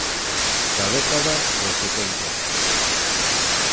Da década dos setenta.